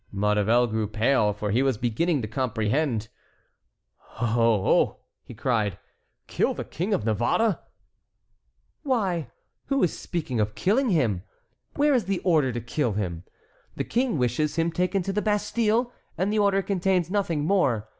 Maurevel grew pale, for he was beginning to comprehend. "Oh! oh!" he cried, "kill the King of Navarre?" "Why, who is speaking of killing him? Where is the order to kill him? The King wishes him taken to the Bastille, and the order contains nothing more.